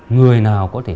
người nào có thể